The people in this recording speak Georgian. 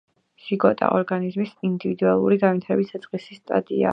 ზიგოტა ორგანიზმის ინდივიდუალური განვითარების საწყისი სტადიაა.